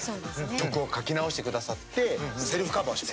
曲を書き直してくださってセルフカバーをした。